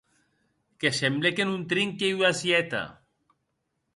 Que semble que non trinque ua sièta.